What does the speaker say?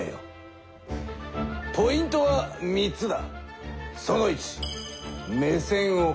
ポイントは３つだ。